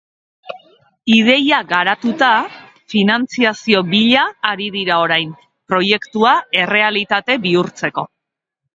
Ideia garatuta, finantziazio bila ari dira orain, proiektua errealitate bihurtzeko.